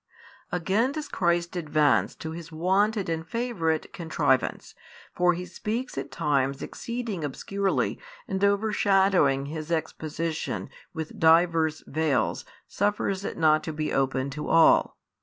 Again does Christ advance to His wonted and favourite contrivance, for He speaks at times exceeding obscurely and overshadowing His exposition with diverse veils suffers it not to be open to all.